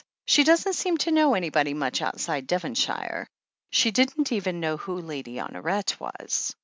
She doesn't seem to know anybody much outside Devonshire ; she didn't even know who Lady Honoret was.